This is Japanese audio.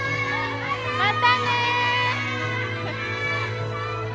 またね！